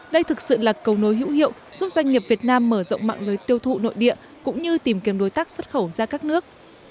đây thực sự là cầu nối hữu hiệu giúp doanh nghiệp việt nam mở rộng mạng lưới tiêu thụ nội địa cũng như tìm kiếm đối tác xuất khẩu ra các nước